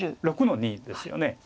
６の二ですよね。